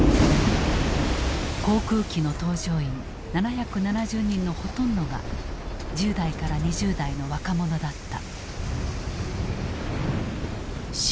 航空機の搭乗員７７０人のほとんどが１０代から２０代の若者だった。